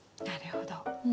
なるほど。